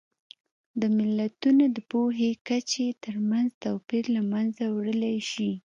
د ملتونو د پوهې کچې ترمنځ توپیر له منځه وړلی شي.